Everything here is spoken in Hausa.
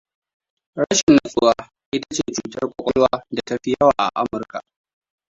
Rashin nutsuwa ita ce cutar kwakwalwa da ta fi yawa a Amurka.